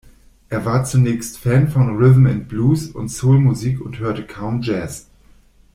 Er war zunächst Fan von Rhythm and Blues und Soulmusik und hörte kaum Jazz.